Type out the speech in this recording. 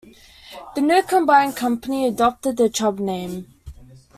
The new combined company adopted the Chubb name.